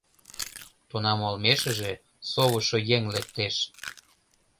Тунам олмешыже совышо еҥ лектеш.